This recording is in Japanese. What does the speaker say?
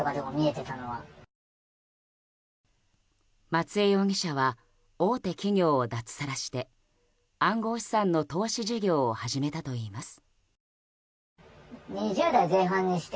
松江容疑者は大手企業を脱サラして暗号資産の投資事業を始めたといいます。